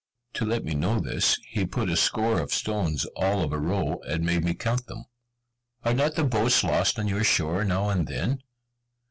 To let me know this, he put a score of stones all of a row, and made me count them. "Are not the boats lost on your shore now and then?"